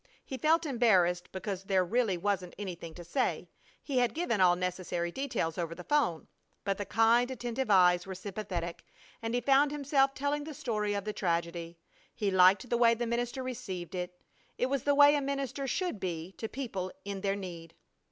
He felt embarrassed because there really wasn't anything to say. He had given all necessary details over the 'phone, but the kind, attentive eyes were sympathetic, and he found himself telling the story of the tragedy. He liked the way the minister received it. It was the way a minister should be to people in their need.